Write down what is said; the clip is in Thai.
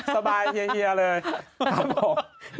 สบายเฮียเลยครับผม